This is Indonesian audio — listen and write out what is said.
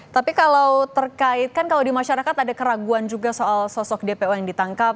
tapi kalau terkait kan kalau di masyarakat ada keraguan juga soal sosok dpo yang ditangkap